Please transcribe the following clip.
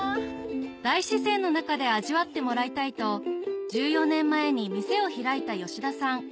大自然の中で味わってもらいたいと１４年前に店を開いた吉田さん